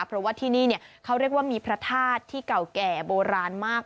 เพราะว่าที่นี่เขาเรียกว่ามีพระธาตุที่เก่าแก่โบราณมาก